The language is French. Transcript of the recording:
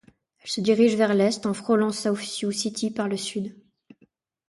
Elle se dirige vers l'est en frôlant South Sioux City par le sud.